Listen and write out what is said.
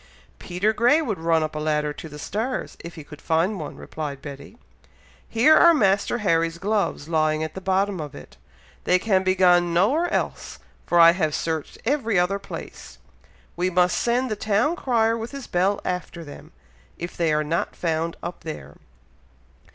"Peter Grey would run up a ladder to the stars, if he could find one," replied Betty. "Here are Master Harry's gloves lying at the bottom of it. They can be gone nowhere else, for I have searched every other place. We must send the town crier with his bell after them, if they are not found up there!"